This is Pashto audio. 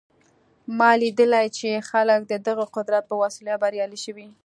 ما لیدلي چې خلک د دغه قدرت په وسیله بریالي شوي